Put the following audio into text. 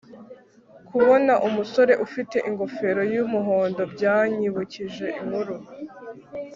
kubona umugore ufite ingofero yumuhondo byanyibukije inkuru